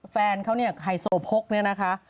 แฟนเขาเนี่ยไฮโซโพกเนี่ยนะคะ